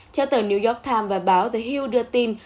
theo tờ new york times và báo the hill đưa tin